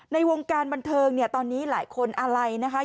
ในวงการบันเทิงเนี่ยตอนนี้หลายคนอะไรนะคะ